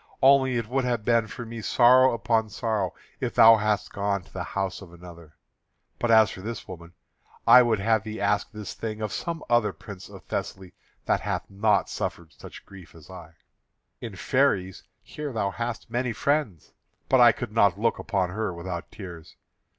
Only it would have been for me sorrow upon sorrow if thou hadst gone to the house of another. But as for this woman, I would have thee ask this thing of some prince of Thessaly that hath not suffered such grief as I. In Pheræ here thou hast many friends; but I could not look upon her without tears.